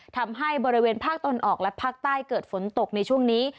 ทำให้บริเวณภาคตะวันออกและภาคใต้เกิดฝนตกในช่วงนี้